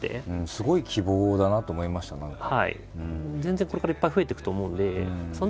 すごい希望だなと思いました何か。